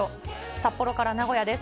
札幌から名古屋です。